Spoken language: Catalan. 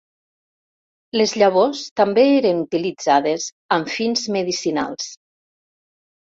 Les llavors també eren utilitzades amb fins medicinals.